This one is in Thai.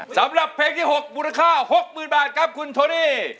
สำหรับเพลงที่๖มูลค่า๖๐๐๐บาทครับคุณโทนี่